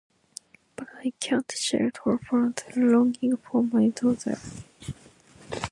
But I cannot shelter from the longing for my daughter.